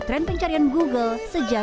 tren pencarian google sejak dua ribu sembilan